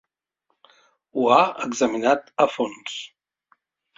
Ho ha examinat a fons.